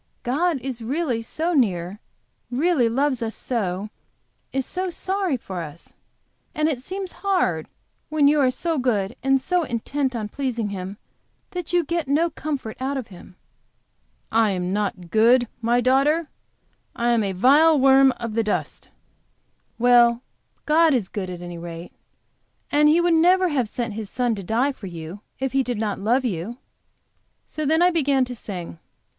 God is really so near, really loves us so; is so sorry for us! And it seems hard, when you are so good, and so intent on pleasing Him, that you get no comfort out of Him." "I am not good, my daughter I am a vile worm of the dust." "Well, God is good, at any rate, and He would never have sent His Son to die for you if He did not love you." So then I began to sing.